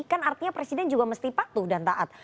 kan artinya presiden juga mesti patuh dan taat